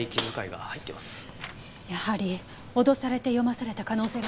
やはり脅されて読まされた可能性が高いわね。